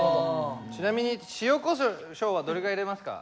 ちなみに塩こしょうはどれぐらい入れますか？